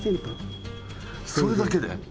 それだけで？